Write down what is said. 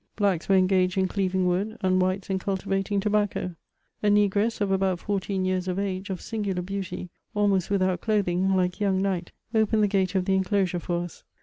Blacks were engaged in cleaving wood, and Whites in cultivating tobacco. A negress, of about fourteen years of age, of singular beauty, almost without clothing, like young Night, opened the gate of the enclosure for us.